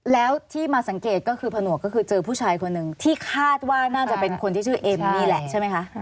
แล้วที่มาสังเกตก็คือผนวกก็คือเจอผู้ชายคนหนึ่งที่คาดว่าน่าจะเป็นคนที่ชื่อเอ็มนี่แหละใช่ไหมคะ